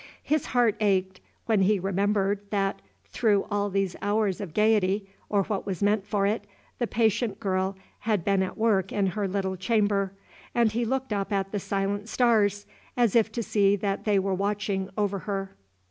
His heart ached, when he remembered, that, through all these hours of gayety, or what was meant for it, the patient girl had been at work in her little chamber; and he looked up at the silent stars, as if to see that they were watching over her.